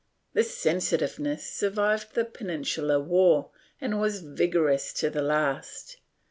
^ This sensitiveness survived the Peninsular War and was vigorous to the last.